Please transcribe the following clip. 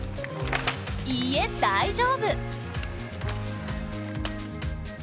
いいえ大丈夫。